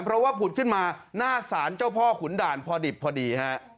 เพราะว่าผุดขึ้นมาหน้าศาลเจ้าพ่อขุนด่านพอดิบพอดีฮะ